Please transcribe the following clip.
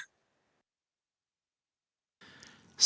saya kena emas